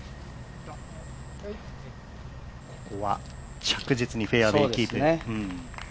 ここは着実にフェアウエーキープ。